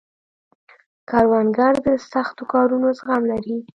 کروندګر د سختو کارونو زغم لري